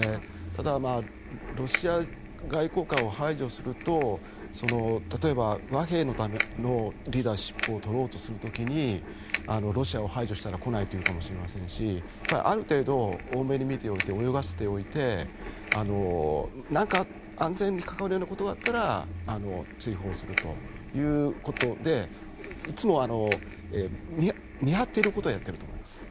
ただロシア外交官を排除すると例えば和平のためのリーダーシップを取ろうとする時にロシアを排除したら来ないというかもしれませんしある程度大目に見ておいて泳がせておいて何か安全に関わるようなことがあったら追放するということでいつも見張っていることはやっていると思います。